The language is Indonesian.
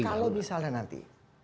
kalau misalnya nanti